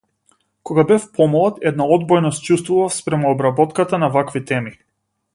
Кога бев помлад една одбојност чувствував спрема обработката на вакви теми.